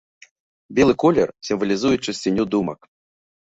Белы колер сімвалізуе чысціню думак.